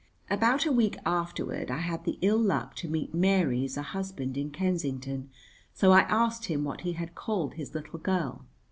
About a week afterward I had the ill luck to meet Mary's husband in Kensington, so I asked him what he had called his little girl.